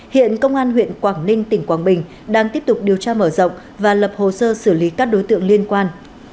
hiện công an huyện quảng ninh tỉnh quảng bình đang tiếp tục điều tra mở rộng và lập hồ sơ xử lý các đối tượng liên quan